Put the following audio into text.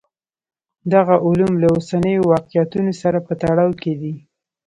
دغه علوم له اوسنیو واقعیتونو سره په تړاو کې دي.